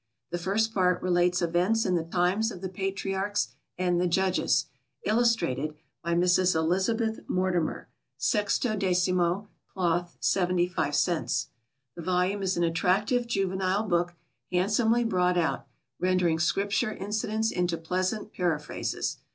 The First Part relates Events in the Times of the Patriarchs and the Judges. Illustrated. By Mrs. ELIZABETH MORTIMER. 16mo, Cloth, 75 cents. The volume is an attractive juvenile book, handsomely brought out, rendering Scripture incidents into pleasant paraphrases.